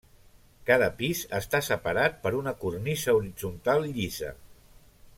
Cada pis està separat per una cornisa horitzontal llisa.